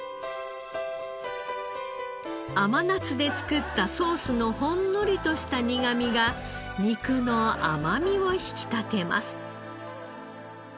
甘夏で作ったソースのほんのりとした苦みが肉の甘みを引き立てます。